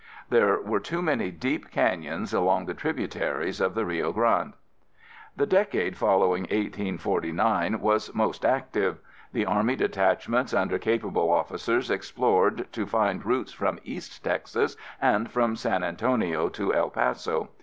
There were too many deep canyons along the tributaries of the Rio Grande. The decade following 1849 was most active. The army detachments under capable officers explored to find routes from East Texas and from San Antonio to El Paso.